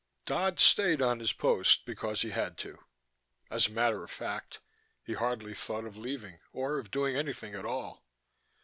18 Dodd stayed on his post because he had to: as a matter of fact, he hardly thought of leaving, or of doing anything at all.